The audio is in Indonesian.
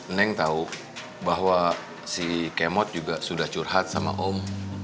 neng tahu bahwa si kemot juga sudah curhat sama om